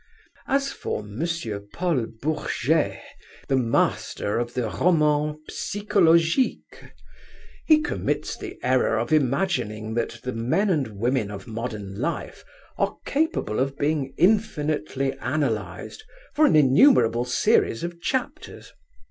As for M. Paul Bourget, the master of the roman psychologique, he commits the error of imagining that the men and women of modern life are capable of being infinitely analysed for an innumerable series of chapters.